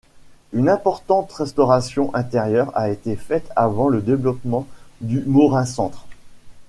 Une importante restauration intérieure a été faite avant le développement du Morrin Centre.